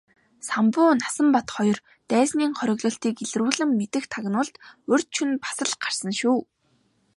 Самбуу Насанбат хоёр дайсны хориглолтыг илрүүлэн мэдэх тагнуулд урьд шөнө бас л гарсан шүү.